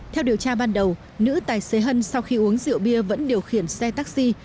theo điều tra ban đầu nữ tài xế hân sau khi uống rượu bia vẫn điều khiển xe taxi